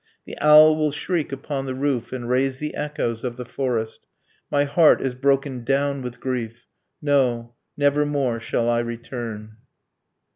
The owl will shriek upon the roof, And raise the echoes of the forest. My heart is broken down with grief. No, never more shall I return.